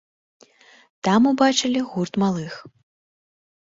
Там убачылі гурт малых.